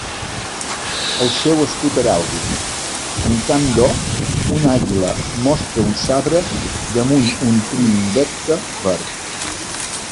El seu escut heràldic "En camp d'or, una àguila mostra un sabre damunt un tri-invecte verd".